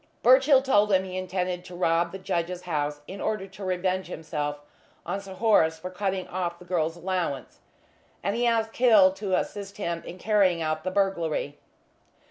Birchill told him he intended to rob the judge's house in order to revenge himself on Sir Horace for cutting off the girl's allowance, and he asked Hill to assist him in carrying out the burglary.